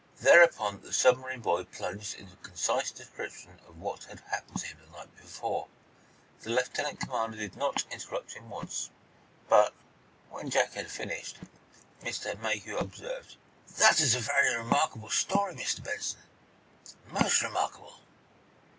Thereupon, the submarine boy plunged into a concise description of what had happened to him the night before. The lieutenant commander did not once interrupt him, but, when Jack had finished, Mr. Mayhew observed: "That is a very remarkable story, Mr. Benson. Most remarkable."